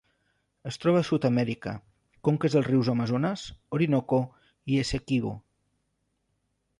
Es troba a Sud-amèrica: conques dels rius Amazones, Orinoco i Essequibo.